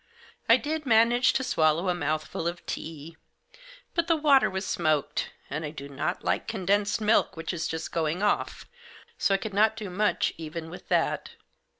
I did manage to swallow a mouthful of tea; but the water was smoked, and I do not like con densed milk which is just going off, so I could not do much even with that.